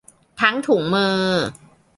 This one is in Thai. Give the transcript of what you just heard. ทั้งถุงมือ